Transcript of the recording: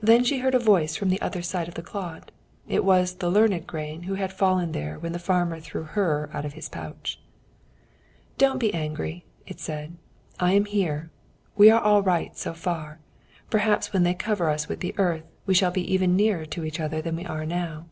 Then she heard a voice from the other side of the clod. It was the learned grain, who had fallen there when the farmer threw her out of his pouch. "Don't be angry," it said, "I am here. We are all right so far. Perhaps, when they cover us with the earth, we shall be even nearer to each other than we are now."